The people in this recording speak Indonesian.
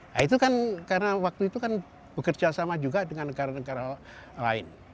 nah itu kan karena waktu itu kan bekerja sama juga dengan negara negara lain